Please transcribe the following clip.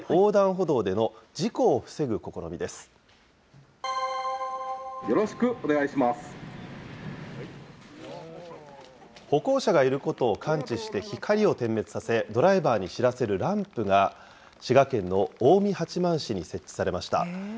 歩行者がいることを感知して光を点滅させ、ドライバーに知らせるランプが、滋賀県の近江八幡市に設置されました。